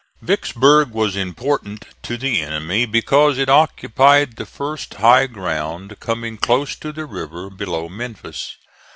Vicksburg was important to the enemy because it occupied the first high ground coming close to the river below Memphis.